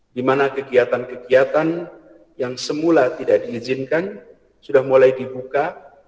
di mana kegiatan kegiatan yang semula tidak diizinkan sudah mulai dibuka